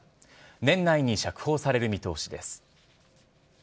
年内に釈放される見通しです。